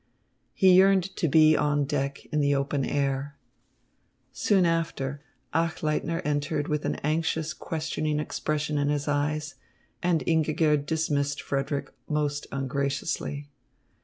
He yearned to be on deck in the open air. Soon after, Achleitner entered with an anxious, questioning expression in his eyes, and Ingigerd dismissed Frederick most ungraciously.